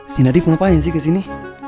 si nadif ngapain sih kesini